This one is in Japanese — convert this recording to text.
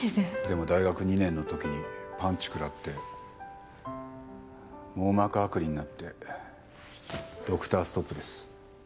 でも大学２年の時にパンチ食らって網膜剥離になってドクターストップです。